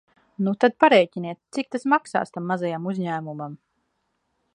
Nu tad parēķiniet, cik tas maksās tam mazajam uzņēmumam!